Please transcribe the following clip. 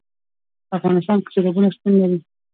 په افغانستان کې سیلابونه شتون لري.